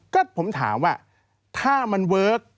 ก็ผมถามว่าถ้ามันเวิร์ค